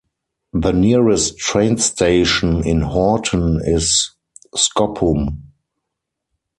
The nearest train station in Horten is Skoppum.